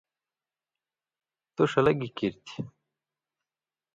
”تُو ݜلہ گی کیریۡ تھی“